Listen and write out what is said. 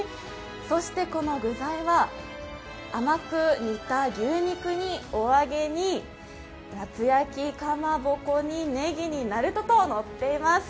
そしてこの具材は甘く煮た牛肉にお揚げに、厚焼きかまぼこにねぎになるとと、のっています。